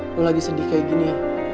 lo lagi sedih kayak gini